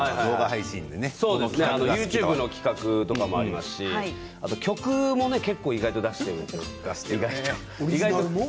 ＹｏｕＴｕｂｅの企画とかもありますし曲も結構、意外と出しているんですよ。